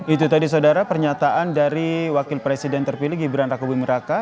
itu tadi saudara pernyataan dari wakil presiden terpilih gibran rakuwi meraka